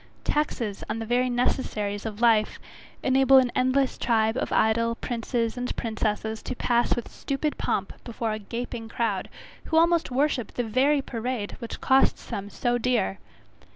Taxes on the very necessaries of life, enable an endless tribe of idle princes and princesses to pass with stupid pomp before a gaping crowd, who almost worship the very parade which costs them so dear.